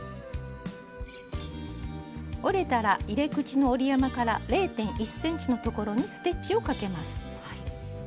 折れたら入れ口の折り山から０．１ｃｍのところにステッチをかけます。